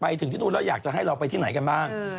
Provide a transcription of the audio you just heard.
ไปถึงที่นู่นแล้วอยากจะให้เราไปที่ไหนกันบ้าง